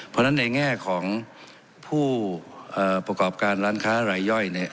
เพราะฉะนั้นในแง่ของผู้ประกอบการร้านค้ารายย่อยเนี่ย